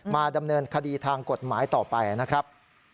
มาดำเนินคดีทางกฎหมายต่อไปนะครับ